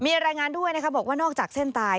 มีรายงานด้วยนะคะบอกว่านอกจากเส้นตาย